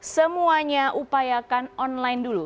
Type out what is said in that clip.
semuanya upayakan online dulu